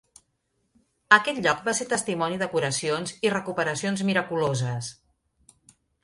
Aquest lloc va ser testimoni de curacions i recuperacions miraculoses.